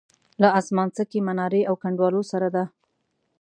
له اسمانڅکې منارې او کنډوالو سره ده.